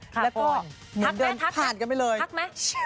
ค่ะแล้วก็เหมือนเดินผ่านกันไปเลยถักมั้ย